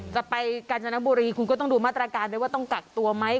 กาญจนบุรีคุณก็ต้องดูมาตรการด้วยว่าต้องกักตัวไหม